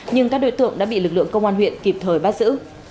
nhưng các đối tượng đã bị lực lượng công an huyện kịp thời bắt giữ